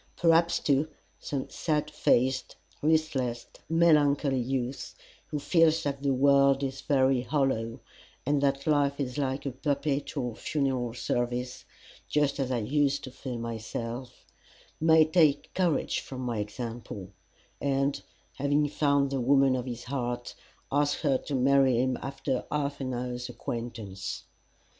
Perhaps, too, some sad faced, listless, melancholy youth, who feels that the world is very hollow, and that life is like a perpetual funeral service, just as I used to feel myself, may take courage from my example, and having found the woman of his heart, ask her to marry him after half an hour's acquaintance.